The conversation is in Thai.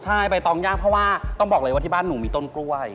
ใช่ใบตองย่างเพราะว่าต้องบอกเลยว่าที่บ้านหนูมีต้นกล้วย